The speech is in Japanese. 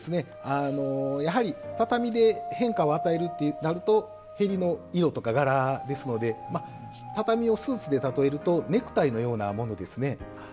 やはり畳で変化を与えるってなると縁の色とか柄ですので畳をスーツで例えるとネクタイのようなものですね。